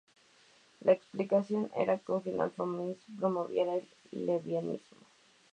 La explicación era que un final feliz promovería el lesbianismo.